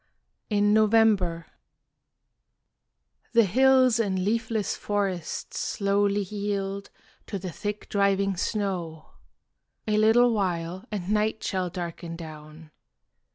IN NOVEMBER The hills and leafless forests slowly yield To the thick driving snow. A little while And night shall darken down.